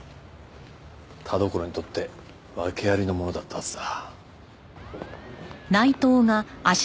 田所にとって訳ありのものだったはずだ。